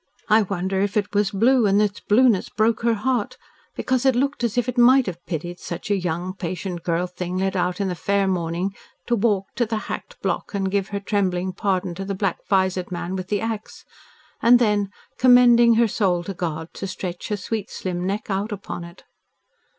I wonder if it was blue and its blueness broke her heart, because it looked as if it might have pitied such a young, patient girl thing led out in the fair morning to walk to the hacked block and give her trembling pardon to the black visored man with the axe, and then 'commending her soul to God' to stretch her sweet slim neck out upon it."